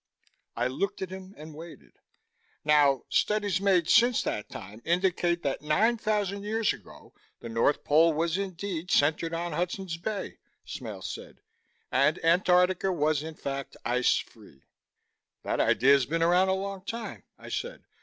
I looked at him and waited. "Now, studies made since that time indicate that nine thousand years ago, the North Pole was indeed centered on Hudson's Bay," Smale said. "And Antarctica was in fact ice free." "That idea's been around a long time," I said.